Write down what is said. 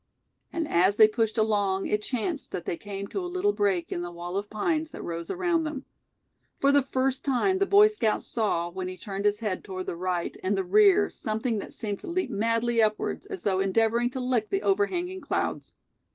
And as they pushed along it chanced that they came to a little break in the wall of pines that rose around them. For the first time the Boy Scout saw, when he turned his head toward the right, and the rear, something that seemed to leap madly upwards, as though endeavoring to lick the overhanging clouds.